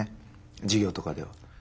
授業とかでは。